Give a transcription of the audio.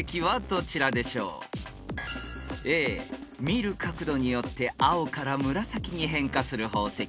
［見る角度によって青から紫に変化する宝石］